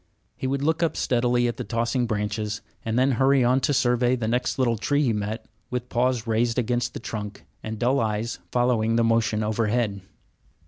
He would look up steadily at the tossing branches, and then hurry on to survey the next little tree he met, with paws raised against the trunk and dull eyes following the motion overhead.